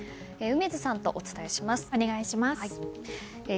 梅津さんとお伝えします。